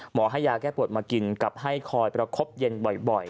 ให้ยาแก้ปวดมากินกับให้คอยประคบเย็นบ่อย